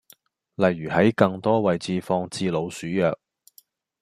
例如喺更多位置放置老鼠藥